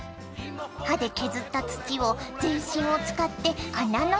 歯で削った土を全身を使って穴の外に。